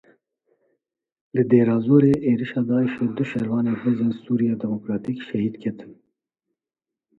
Li Dêrazorê êrişa Daişê du şervanên Hêzên Sûriya Demokratîk şehîd ketin.